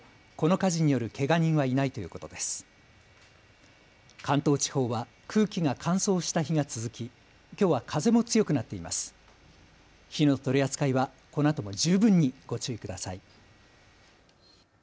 火の取り扱いはこのあとも十分にご注意ください。